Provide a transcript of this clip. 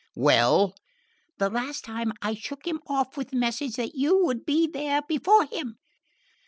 "Well?" "The last time, I shook him off with the message that you would be there before him."